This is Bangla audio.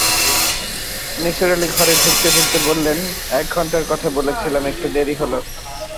নিসার আলি ঘরে ঢুকতে-চুকতে বললেন, এক ঘন্টার কথা বলেছিলাম, একটু দেরি হল।